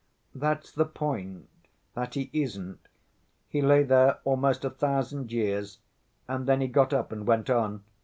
"That's the point, that he isn't. He lay there almost a thousand years and then he got up and went on."